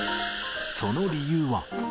その理由は。